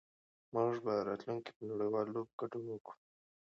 موږ به په راتلونکي کې په نړيوالو لوبو کې ګډون وکړو.